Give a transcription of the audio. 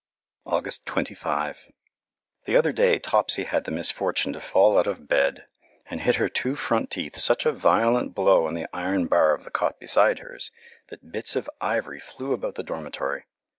August 25 The other day Topsy had the misfortune to fall out of bed and hit her two front teeth such a violent blow on the iron bar of the cot beside hers that bits of ivory flew about the dormitory.